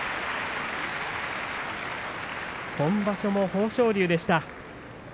今場所も豊昇龍でした。